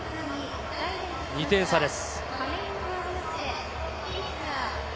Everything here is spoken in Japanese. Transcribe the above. ２点差です。